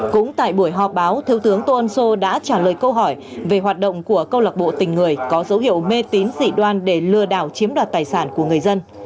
cũng tại buổi họp báo thiếu tướng tô ân sô đã trả lời câu hỏi về hoạt động của câu lạc bộ tình người có dấu hiệu mê tín dị đoan để lừa đảo chiếm đoạt tài sản của người dân